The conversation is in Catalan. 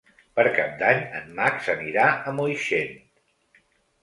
Per Cap d'Any en Max anirà a Moixent.